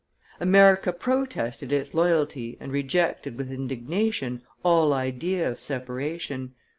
America protested its loyalty and rejected with indignation all idea of separation.